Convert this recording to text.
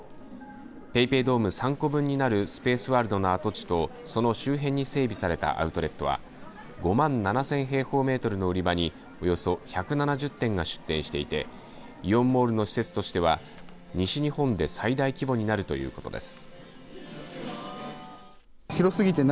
ペイペイドーム３個分になるスペースワールドの跡地とその周辺に整備されたアウトレットは５万７０００平方メートルの売り場におよそ１７０店が出店していてイオンモールの施設としては西日本で最大規模になるということです。